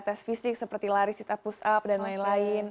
tes fisik seperti lari sita push up dan lain lain